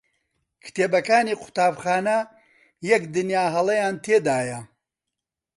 کتێبەکانی قوتابخانە یەک دنیا هەڵەیان تێدایە.